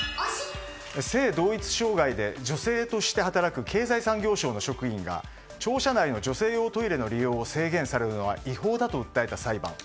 性同一性障害で女性として働く経済産業省の職員が庁舎内の女性用トイレの利用を制限されるのは違法だと訴えた裁判。